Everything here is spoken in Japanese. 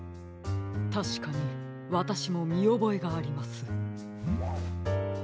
たしかにわたしもみおぼえがあります。